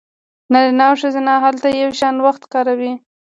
نارینه او ښځینه هلته یو شان وخت کار کوي